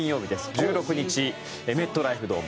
１６日、メットライフドーム。